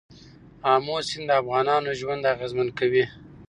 آمو سیند د افغانانو ژوند اغېزمن کوي.